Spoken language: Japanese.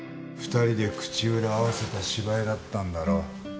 ２人で口裏合わせた芝居だったんだろ？